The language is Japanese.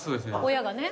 親がね。